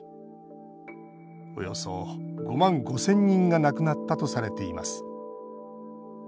およそ５万５０００人が亡くなったとされています。